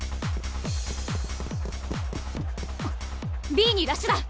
Ｂにラッシュだ！